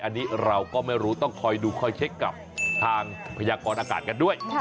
อันนี้เราก็ไม่รู้ต้องคอยดูคอยเช็คกับทางพยากรอากาศกันด้วย